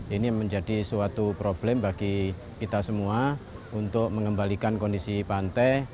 ini menjadi suatu problem bagi kita semua untuk mengembalikan kondisi pantai